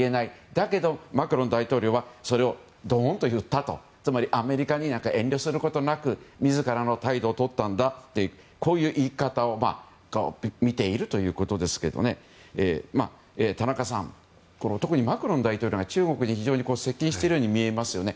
だけどマクロン大統領はそれをどんと言ったとつまりアメリカに遠慮することなく自らの態度をとったんだとこういうふうに見ているということですが田中さん、特にマクロン大統領が中国に非常に接近しているように見えますよね。